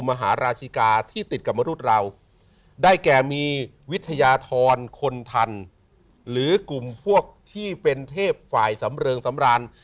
มหาราชิกาที่ติดกับมนุษย์เราได้แก่มีวิทยาธรคนทันหรือกลุ่มพวกที่เป็นเทพฝ่ายสำเริงสำราญ